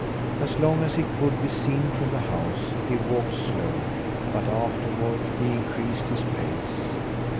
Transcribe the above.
As long as he could be seen from the house, he walked slowly; but afterward he increased his pace.